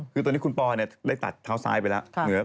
คือตอนนี้คุณปอได้ตัดเท้าซ้ายไปแล้ว